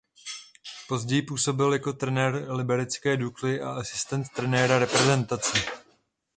Později působil jako trenér liberecké Dukly a asistent trenéra reprezentace.